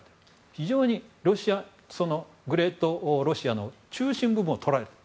非常にグレートロシアの中心部分をとられている。